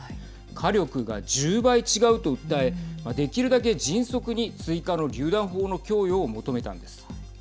火力が１０倍違うと訴えできるだけ迅速に追加のりゅう弾砲の供与を求めたんです。